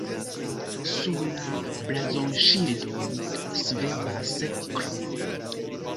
Sur la blazonŝildo ŝvebas krono.